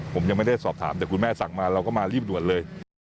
ผมยังไม่ได้สอบถามแต่คุณแม่สั่งมาเราก็มารีบด่วนเลย